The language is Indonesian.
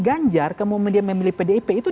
ganjar kemudian memilih pdip itu